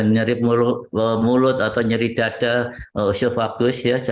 nyeri mulut atau nyeri dada oesophagus ya